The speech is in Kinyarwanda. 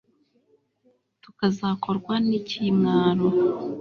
tukazakorwa n'ikimwaro